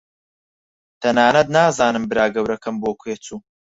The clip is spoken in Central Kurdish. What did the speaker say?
تەنانەت نازانم برا گەورەکەم بۆ کوێ چوو.